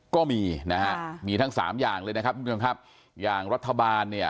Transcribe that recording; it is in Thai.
ก็มีนะฮะมีทั้ง๓อย่างเลยนะครับอย่างรัฐบาล